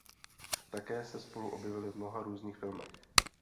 Také se spolu objevili v mnoha různých filmech.